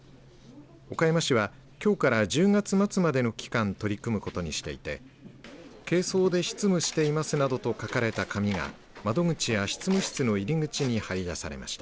岡山市はきょうから１０月末までの期間取り組むことにしていて軽装で執務していますなどと書かれた紙が窓口や執務室の入り口に張り出されました。